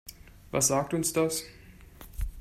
Was sagt uns das?